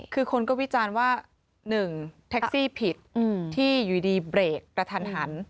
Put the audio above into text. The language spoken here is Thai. คือคนก็วิจารณ์ว่า๑แท็กซี่ผิดที่อยู่ดีเบรกกระทันหัน